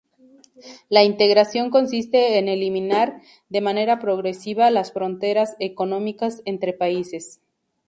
La integración consiste en eliminar, de manera progresiva, las fronteras económicas entre países.